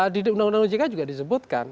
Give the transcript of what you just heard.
di undang undang ojk juga disebutkan